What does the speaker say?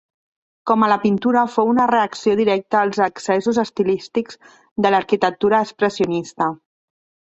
Com a la pintura, fou una reacció directa als excessos estilístics de l'arquitectura expressionista.